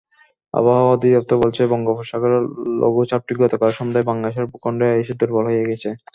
আবহাওয়া অধিদপ্তর বলছে, বঙ্গোপসাগরের লঘুচাপটি গতকাল সন্ধ্যায় বাংলাদেশের ভূখণ্ডে এসে দুর্বল হয়ে গেছে।